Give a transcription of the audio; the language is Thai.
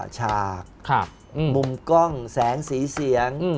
ฉากมุมกล้องแสงสีเสียง